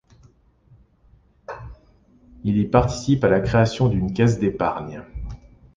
Il y participe à la création d'une caisse d'épargne.